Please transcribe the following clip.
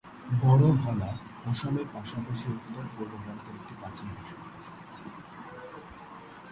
বড়ো হ'ল অসমের পাশাপাশি উত্তর-পূর্ব ভারতের একটি প্রাচীন ভাষা।